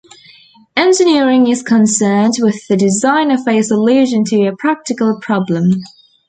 Engineering is concerned with the design of a solution to a practical problem.